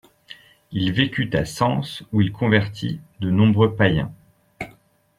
Il vécut à Sens où il convertit de nombreux païens.